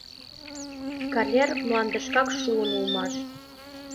Калер, мландышкак шуын улмаш.